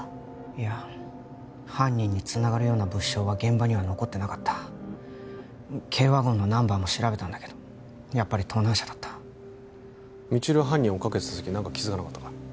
いや犯人につながるような物証は現場には残ってなかった軽ワゴンのナンバーも調べたんだけどやっぱり盗難車だった未知留は犯人追っかけてた時何か気づかなかったか？